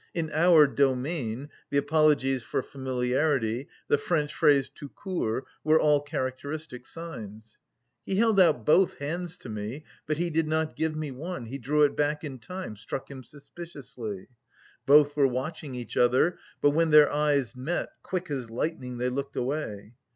"In our domain," the apologies for familiarity, the French phrase tout court, were all characteristic signs. "He held out both hands to me, but he did not give me one he drew it back in time," struck him suspiciously. Both were watching each other, but when their eyes met, quick as lightning they looked away.